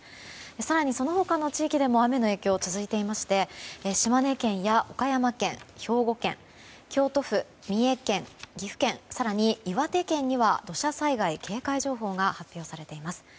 更にその他の地域でも雨の影響が続いていまして島根県や岡山県、兵庫県京都府、三重県岐阜県、更に岩手県には土砂災害警戒情報が発表されています。